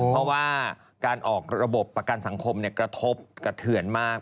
เพราะว่าการออกระบบประกันสังคมกระทบกระเทือนมาก